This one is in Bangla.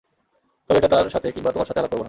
তবে এটা তার সাথে কিংবা তোমার সাথে আলাপ করব না।